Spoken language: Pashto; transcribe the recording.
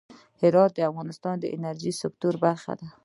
هرات د افغانستان د انرژۍ سکتور برخه ده.